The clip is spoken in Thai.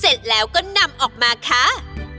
เสร็จแล้วก็นำออกมาค่ะ